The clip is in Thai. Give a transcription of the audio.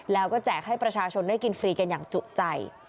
แล้วก็แจกให้ประชาชนได้กินฟรีกันอย่างจุใจ